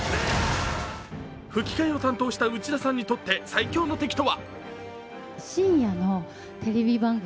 吹き替えを担当した内田さんにとって最凶の敵とは？